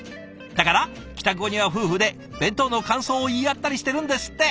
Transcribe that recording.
だから帰宅後には夫婦で弁当の感想を言い合ったりしてるんですって。